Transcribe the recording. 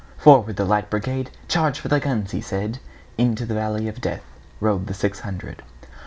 "Forward, the Light Brigade! Charge for the guns!" he said:Into the valley of DeathRode the six hundred.